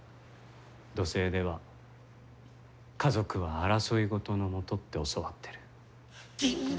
土星では、家族は争い事のもとって教わっている。